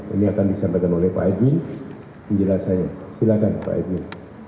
ini akan disampaikan oleh pak egy penjelasannya silakan pak edwin